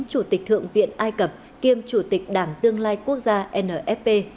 chủ tịch thượng viện ai cập kiêm chủ tịch đảng tương lai quốc gia nfp